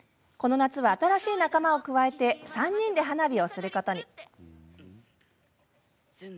この夏は、新しい仲間を加えて３人で花火をすることに。